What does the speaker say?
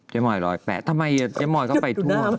มอย๑๐๘ทำไมเจ๊มอยก็ไปทั่ว